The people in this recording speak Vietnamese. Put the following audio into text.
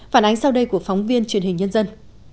phản ánh sau đây của phóng viên truyền hình nhân dân